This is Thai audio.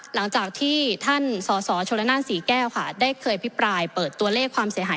หลังจากที่ท่านสสชลนานศรีแก้วค่ะได้เคยพิปรายเปิดตัวเลขความเสียหาย